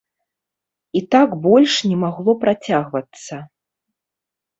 І так больш не магло працягвацца.